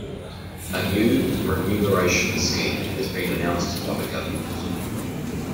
A new renumeration scheme has been announced by the government.